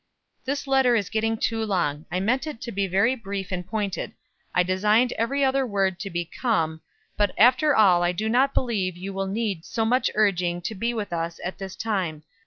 "This letter is getting too long. I meant it to be very brief and pointed. I designed every other word to be 'come;' but after all I do not believe you will need so much urging to be with us at this time.